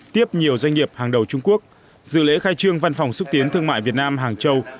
tiếp nhiều doanh nghiệp hàng đầu trung quốc dự lễ khai trương văn phòng xúc tiến thương mại việt nam hàng châu